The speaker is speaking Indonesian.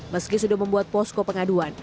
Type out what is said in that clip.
meski sudah membuat posko pengaduan